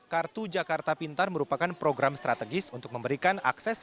kartu jakarta pintar merupakan program strategis untuk memberikan akses